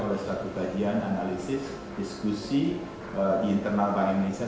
oleh selaku kajian analisis diskusi di internal bank indonesia